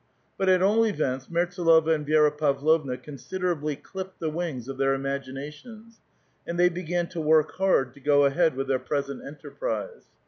But, at all events, Mertsdlova and Vi^ra Pavlovna consid erably clipped the wings of their imaginations, and they began to work hard to go ahead with their present enterprise.